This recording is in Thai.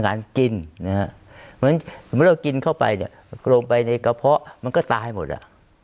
เพราะฉะนั้นสมมุติเรากินเข้าไปเนี่ยลงไปในกระเพาะมันก็ตายหมดอ่ะ